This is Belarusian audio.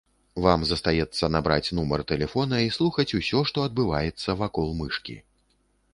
Вам застаецца набраць нумар тэлефона і слухаць усё, што адбываецца вакол мышкі.